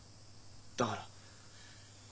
だから。